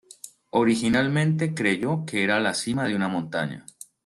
Originalmente creyó que era la cima de una montaña.